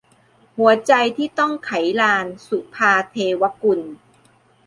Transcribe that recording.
หัวใจที่ต้องไขลาน - สุภาว์ เทวกุล